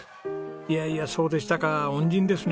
いやいやそうでしたか恩人ですね。